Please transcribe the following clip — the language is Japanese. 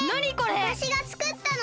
わたしがつくったの！